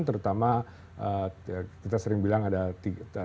terutama kita sering bilang ada triumvirat ya